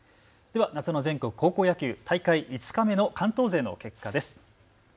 では夏の全国高校野球、大会５日目の関東勢の結果です。